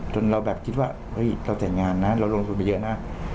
เราแบบคิดว่าเฮ้ยเราแต่งงานนะเราลงทุนไปเยอะนะ